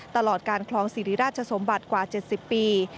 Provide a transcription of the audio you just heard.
ตลอดการคลองสิริราชสมบัติกว่า๗๐ปี